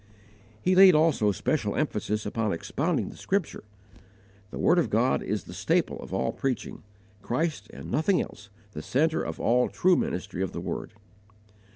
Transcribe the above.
He laid also special emphasis upon expounding the Scripture. The word of God is the staple of all preaching; Christ and nothing else the centre of all true ministry of the Word.